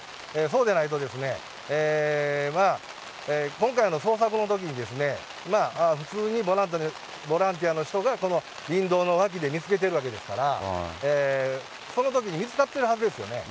そうでないと、今回の捜索のときにですね、普通にボランティアの人がこの林道の脇で見つけてるわけですから、そのときに見つかってるはずですよね。